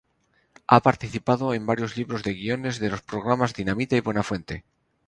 Ha participado en varios libros de guiones de los programas Dinamita y Buenafuente.